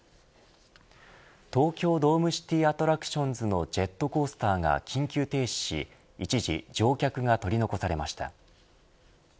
東京ドームシティ・アトラクションズのジェットコースターが緊急停止し、一時乗客が取り残されました。